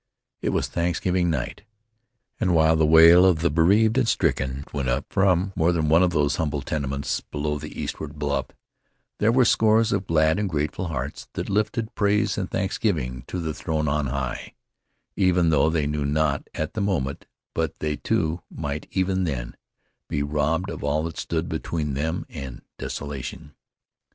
It was Thanksgiving night, and while the wail of the bereaved and stricken went up from more than one of these humble tenements below the eastward bluff, there were scores of glad and grateful hearts that lifted praise and thanksgiving to the throne on high, even though they knew not at the moment but that they, too, might, even then, be robbed of all that stood between them and desolation.